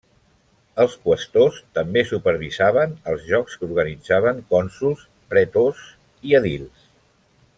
Els qüestors també supervisaven els jocs que organitzaven cònsols, pretors i edils.